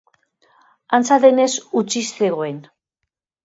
Antza denez, hutsik zegoen.